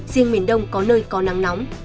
riêng miền đông có nơi có nắng nóng